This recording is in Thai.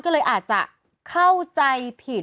ก็เลยอาจจะเข้าใจผิด